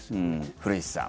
古市さん